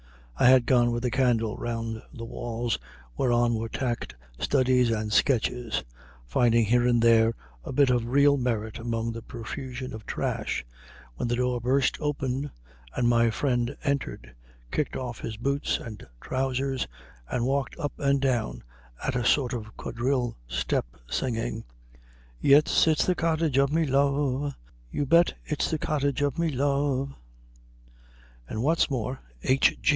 I had gone with a candle round the walls whereon were tacked studies and sketches, finding here and there a bit of real merit among the profusion of trash, when the door burst open and my friend entered, kicked off his boots and trousers, and walked up and down at a sort of quadrille step, singing: "'Yes, it's the cottage of me love; You bet, it's the cottage of me love,' "and, what's more, H.